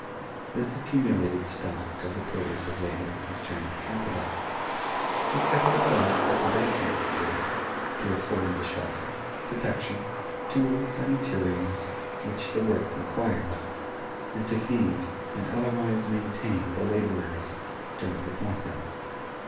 This accumulated stock of the produce of labor is termed Capital. What capital does for production is, to afford the shelter, protection, tools, and materials which the work requires, and to feed and otherwise maintain the laborers during the process.